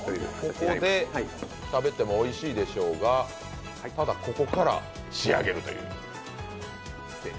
ここで食べてもおいしいでしょうがここから仕上げるという。